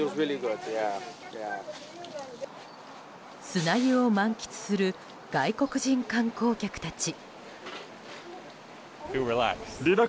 砂湯を満喫する外国人観光客たち。